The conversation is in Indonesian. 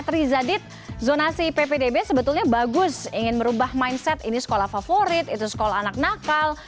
trizadit zonasi ppdb sebetulnya bagus ingin merubah mindset ini sekolah favorit itu sekolah anak nakal